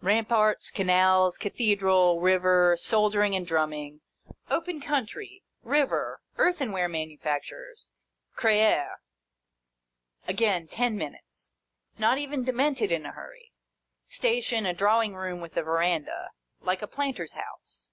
Ramparts, canals, cathedral, river, soldier ing and drumming, open country, river, earthenware manufactures, Creil. Again ten minutes. Not even Demented in a hurry. Station, a drawing room with a verandah : like a planter's house.